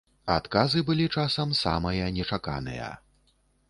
Адказы былі часам самыя нечаканыя.